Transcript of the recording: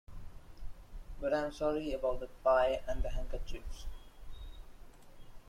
But I’m sorry about that pie and the handkerchiefs.